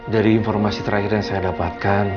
dari informasi terakhir yang saya dapatkan